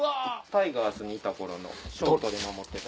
タイガースにいた頃のショートで守ってた。